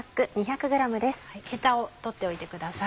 ヘタを取っておいてください。